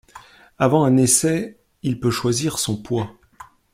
Avant un essai, il peut choisir son poids.